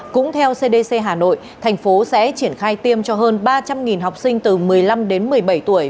cũng theo cdc hà nội thành phố sẽ triển khai tiêm cho hơn ba trăm linh học sinh từ một mươi năm đến một mươi bảy tuổi